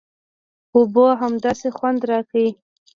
اوبو همداسې خوند راکړ.